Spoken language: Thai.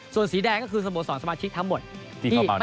ส่วนสีแดงก็คือสโมสรสมาชิกทั้งหมดที่เข้ามา